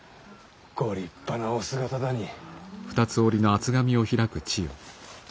ご立派なお姿だにぃ。